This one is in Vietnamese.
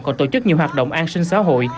còn tổ chức nhiều hoạt động an sinh xã hội